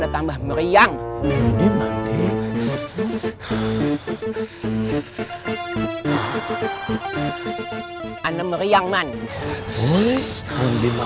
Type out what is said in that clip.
susah gak itu ya